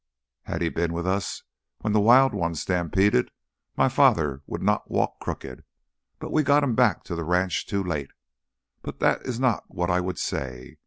Had he been with us when the wild ones stampeded, my father would not walk crooked, but we got him back to the ranch too late. But that is not what I would say.